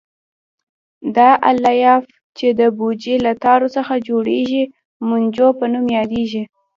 دا الیاف چې د بوجۍ له تارو څخه جوړېږي مونجو په نوم یادیږي.